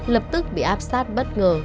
lập tức bị áp sát bất ngờ